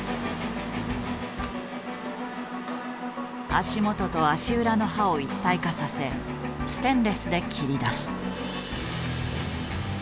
足元と足裏の刃を一体化させステンレスで切り出す。